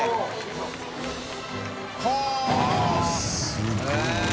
すごい量。